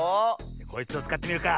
こいつをつかってみるか。